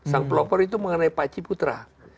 sang pelopor itu mengenai pak ciputra